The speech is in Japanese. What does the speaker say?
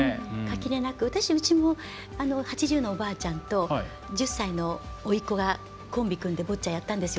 うちも８０のおばあちゃんと１０歳のおいっこがコンビ組んでボッチャやったんですよ。